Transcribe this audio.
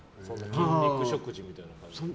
筋肉食事みたいな。